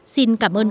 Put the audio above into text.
xin cảm ơn cán bộ